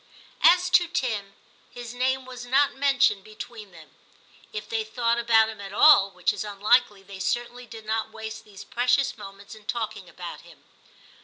As to Tim, his name was not mentioned between them ; if they thought about him at all, which is unlikely, they certainly did not waste these precious moments in talking about him.